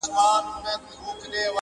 مرګ د زړو دی غم د ځوانانو!!